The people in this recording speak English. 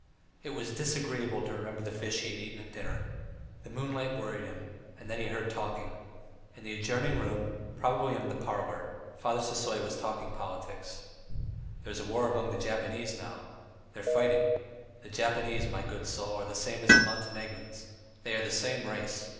It was disagreeable to remember the fish he had eaten at dinner. The moonlight worried him, and then he heard talking. In an adjoining room, probably in the parlour, Father Sisoy was talking politics: "There's war among the Japanese now. They are fighting. The Japanese, my good soul, are the same as the Montenegrins; they are the same race.